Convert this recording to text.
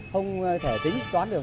không thể tính toán được